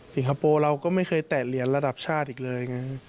คโปร์เราก็ไม่เคยแตะเหรียญระดับชาติอีกเลยไง